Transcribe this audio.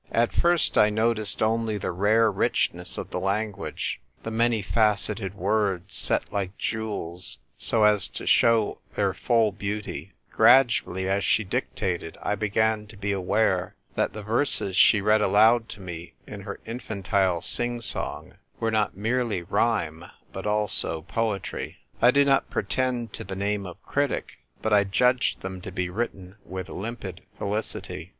At first I noticed only the rare richness of the language, the many faceted words, set like jewels so as to show their full beauty; gradually, as she dictated, I began to be aware that the verses she read aloud to me in her infantile sing song were not merely rhyme but also poetry. I do not pretend to the name of critic ; but I judged them to be written with limpid felicity.